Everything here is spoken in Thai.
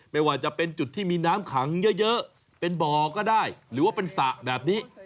ไม่ว่าจะเป็นจุดที่มีน้ำขังเยอะเป็นบ่อก็ได้หรือว่าเป็นสระแบบนี้